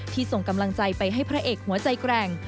ส่งกำลังใจไปให้พระเอกหัวใจแกร่ง